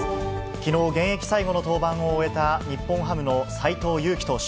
きのう、現役最後の登板を終えた日本ハムの斎藤佑樹投手。